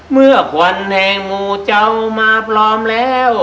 เมื่อคนแห่งหมู่เจ้ามาพร้อมแล้ว